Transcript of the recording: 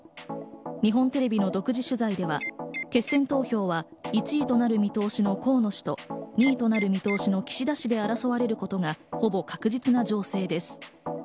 日本テレビの独自取材では決選投票は１位となる見通しの河野氏と２位となる見通しの岸田氏で争われることがほぼ確実な情勢です。